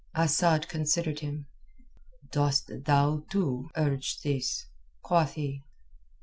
Asad considered him. "Dost thou, too, urge this?" quoth he.